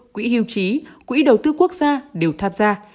quỹ hưu trí quỹ đầu tư quốc gia đều tham gia